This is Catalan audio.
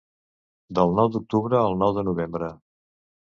Del nou d'octubre al nou de novembre.